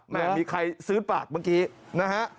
มีใครซื้อปากเมื่อกี้นะฮะ